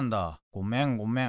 ごめんごめん。